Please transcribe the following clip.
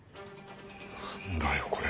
何だよこれ。